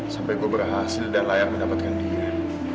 sampai gue berhasil dan layak mendapatkan diri